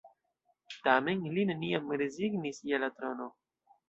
Tamen li neniam rezignis je la trono.